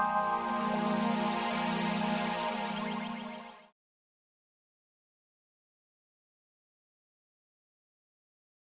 jangan lupa subscribe channel ini